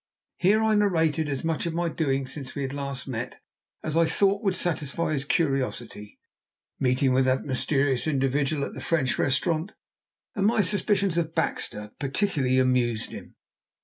Here I narrated as much of my doings since we had last met, as I thought would satisfy his curiosity. My meeting with that mysterious individual at the French restaurant and my suspicions of Baxter particularly amused him.